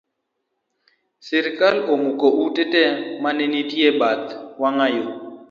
Sirikal omuko ute tee mane nitie e bath wang’ayo